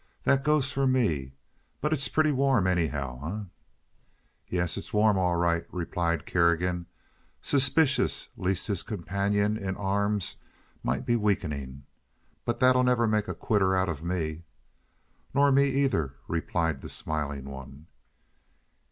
"That goes for me. But it's putty warm, anyhow, eh?" "Yes, it's warm, all right," replied Kerrigan, suspicious lest his companion in arms might be weakening, "but that'll never make a quitter out of me." "Nor me, either," replied the Smiling One.